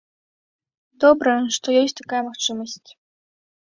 Добра, што ёсць такая магчымасць.